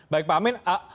baik pak amin